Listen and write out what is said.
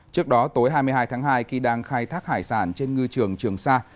trước đó tối hai mươi hai tháng hai khi đang khai thác hải sản trên ngư trường trường sa